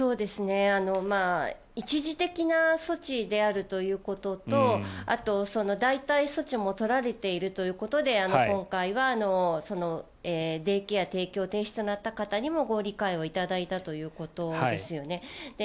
一時的な措置であるということとあと代替措置も取られているということで今回はデイケア提供停止となった方にもご理解を頂いたということですよね。